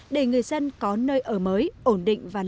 để người dân có nơi ở mới ổn định và lâu dài hơn